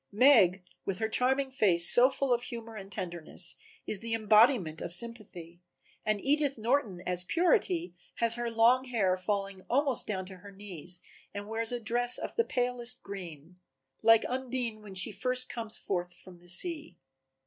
Meg, with her charming face so full of humor and tenderness, is the embodiment of Sympathy, and Edith Norton as Purity has her long fair hair falling almost down to her knees and wears a dress of the palest green like Undine when she first comes forth from the sea.